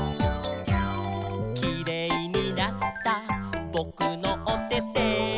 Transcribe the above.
「キレイになったぼくのおてて」